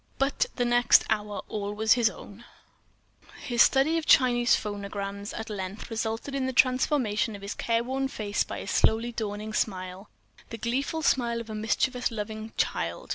But the next hour was all his own. His study of the Chinese phonograms at length resulted in the transformation of his careworn face by a slowly dawning smile, the gleeful smile of a mischief loving child.